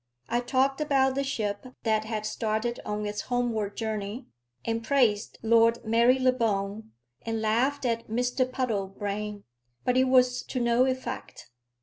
I talked about the ship that had started on its homeward journey, and praised Lord Marylebone, and laughed at Mr Puddlebrane; but it was to no effect.